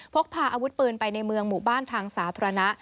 พกพาอาวุธปืนไปในเมืองหมู่บ้านทางสาธารณะ